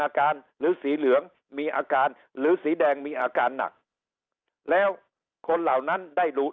หรือสีเหลืองมีอาการหรือสีแดงมีอาการหนักแล้วคนเหล่านั้นได้รู้